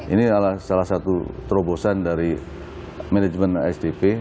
ini adalah salah satu terobosan dari manajemen asdp